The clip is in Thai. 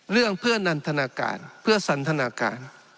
เรื่องเพื่อนันทนาการเพื่อสันทนาการ